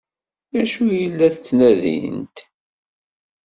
D acu ay la ttnadint?